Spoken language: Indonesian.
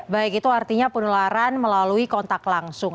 baik itu artinya penularan melalui kontak langsung